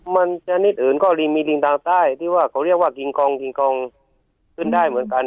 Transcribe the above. มันชนิดอื่นก็มีลิงทางใต้ที่ว่าเขาเรียกว่ากิงกองกิงกองขึ้นได้เหมือนกัน